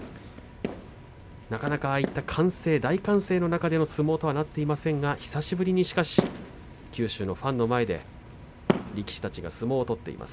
なかなか、ああいった大歓声の中での相撲とはなっていませんが久しぶりに九州のファンの前で力士たちが相撲を取っています。